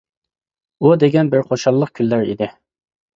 ئۇ دېگەن بىر خۇشاللىق كۈنلەر ئىدى.